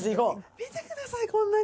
見てくださいこんなに。